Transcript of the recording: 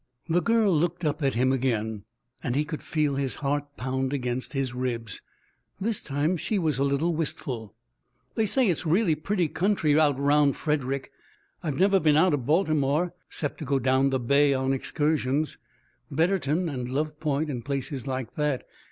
The girl looked up at him again, and he could feel his heart pound against his ribs. This time she was a little wistful. "They say it's real pretty country out round Frederick. I've never been out of Baltimore, 'cept to go down the bay on excursions Betterton and Love Point, and places like that.